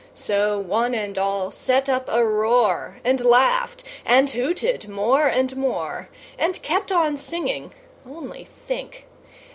So, one and all set up a roar, And laughed and hooted more and more, And kept on singing, only think!